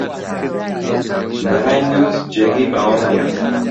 بەهای نەوت جێگەی باوەڕ نییە